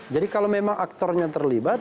jadi kalau memang aktornya terlibat